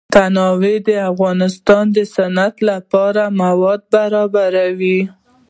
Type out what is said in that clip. تنوع د افغانستان د صنعت لپاره مواد برابروي.